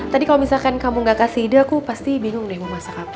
tadi kalau misalkan kamu gak kasih ide aku pasti bingung deh mau masak apa